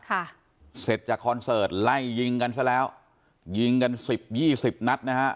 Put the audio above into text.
ค่ะเสร็จจากคอนเสิร์ตไล่ยิงกันซะแล้วยิงกันสิบยี่สิบนัดนะฮะ